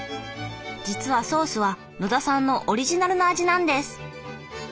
実はソースは野田さんのオリジナルの味なんです。